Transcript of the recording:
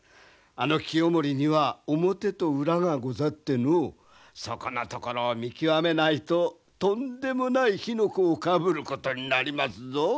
あの清盛には表と裏がござってのうそこのところを見極めないととんでもない火の粉をかぶることになりますぞ。